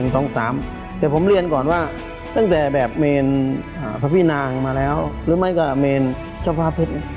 แต่ผมเรียนก่อนว่าตั้งแต่แบบเมนทรพินางมาแล้วรึไม่ก็เมนชะฟ้าเผ็ด